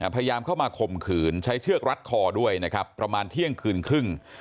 พยายามเข้ามาข่มขืนใช้เชือกรัดคอด้วยนะครับประมาณเที่ยงคืนครึ่ง